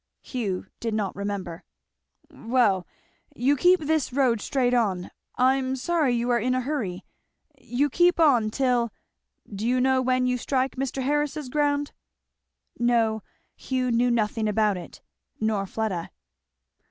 Hugh did not remember. "Well you keep this road straight on, I'm sorry you are in a hurry, you keep on till do you know when you strike Mr. Harris's ground?" No, Hugh knew nothing about it, nor Fleda.